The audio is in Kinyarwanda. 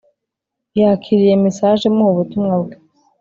yakiriye message imuha ubutumwa bwe